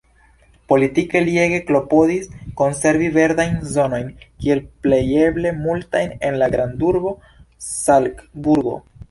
Politike li ege klopodis konservi verdajn zonojn kiel plejeble multajn en la grandurbo Salcburgo.